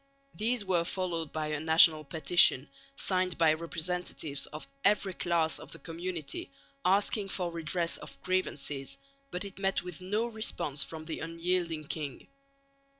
These were followed by a National Petition, signed by representatives of every class of the community asking for redress of grievances, but it met with no response from the unyielding king.